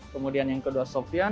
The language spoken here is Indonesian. kemudian yang kedua sofya